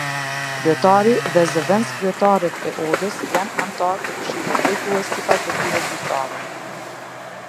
Kryetari dhe zëvendëskryetarët e Odës janë anëtarë të këshillit drejtues sipas detyrës zyrtare.